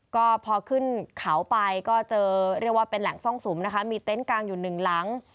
ก็พอขึ้นเขาไปก็เจอเรียกว่าเป็นแหล่งซ่องสุมนะคะมีเต็นต์กลางอยู่หนึ่งหลัง